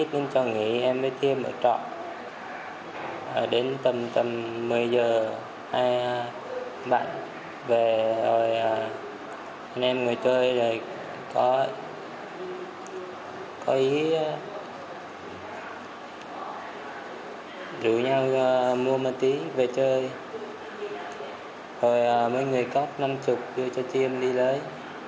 mỗi người mua một tí về chơi rồi mỗi người góp năm mươi đồng cho thiêm đi lấy